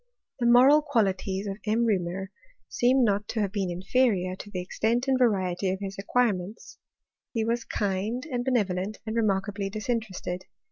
The moral qualities of M. Reaumur seem not to have been inferior to the extent and variety of his acquire* ment«« He was kind and benevolent, and remsurkably 284 HISTORY OF CHEMISTRY. disinterested.